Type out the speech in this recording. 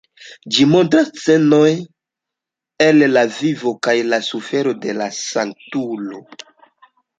Ĝi montras scenojn el la vivo kaj la sufero de la sanktulo.